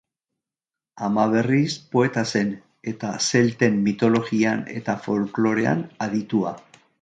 Ama, berriz, poeta zen, eta zelten mitologian eta folklorean aditua.